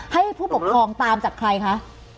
ให้ผู้ปกครองตามจากใครคะ